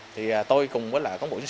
thì tôi cùng với lại công bộ chính sĩ